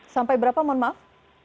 sampai berapa mohon maaf